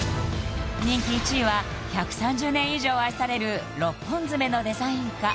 人気１位は１３０年以上愛される６本爪のデザインか？